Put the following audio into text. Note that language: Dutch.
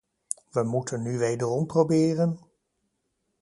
We moeten nu wederom proberen...